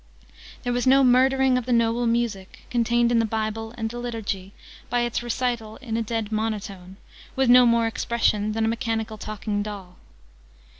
There was no murdering of the noble music, contained in the Bible and the Liturgy, by its recital in a dead monotone, with no more expression than a mechanical talking doll.